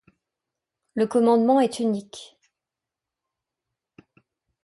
Le commandement est unique.